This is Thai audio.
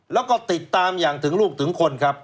แล้วก็ติดตามอย่างถึงลูกถึงคนครับ